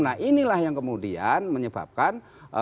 nah inilah yang kemudian menyebabkan